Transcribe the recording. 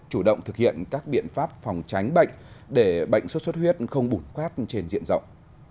chủ động thực hiện các biện pháp phòng tránh bệnh để bệnh sốt xuất huyết không bụt khoát trên diện rộng